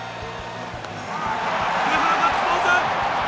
上原ガッツポーズ！